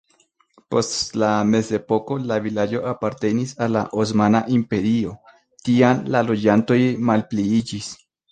Post la mezepoko la vilaĝo apartenis al la Osmana Imperio, tiam la loĝantoj malpliiĝis.